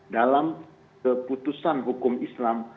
dalam keputusan hukum islam